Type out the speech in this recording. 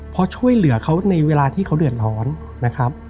เพราะช่วยเหลือเค้าในเวลาที่เค้าเดือดร้อน